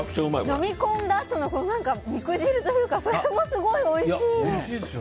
飲み込んだあとの肉汁というかそれもすごいおいしい！